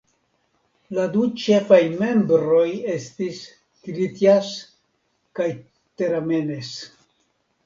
La du ĉefaj membroj estis Kritjas kaj Teramenes.